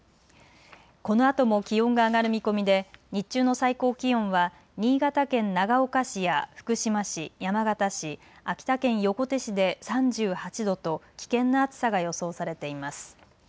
このあとも気温が上がる見込みで日中の最高気温は新潟県長岡市や福島市、山形市、秋田県横手市で３８度と危険な暑さが予想されています。